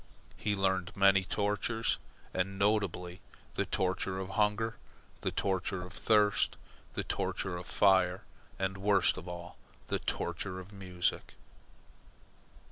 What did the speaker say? He learned many tortures, and, notably, the torture of hunger, the torture of thirst, the torture of fire, and, worst of all, the torture of music.